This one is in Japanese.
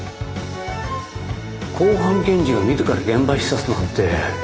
公判検事が自ら現場視察なんて。